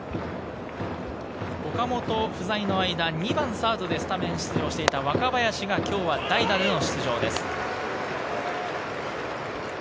岡本不在の間、２番サードでスタメン出場していた若林が今日は代打での出場です。